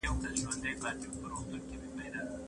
په افغانستان کي د اړمنو سره مرستي ډېر دوام نه لري.